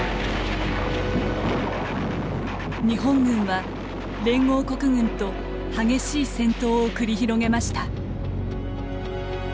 日本軍は、連合国軍と激しい戦闘を繰り広げました。